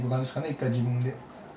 一回自分で。